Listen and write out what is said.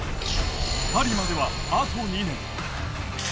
パリまでは、あと２年。